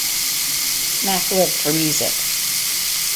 Mack lived for music.